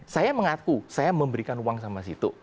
saya mengaku saya memberikan uang sama situ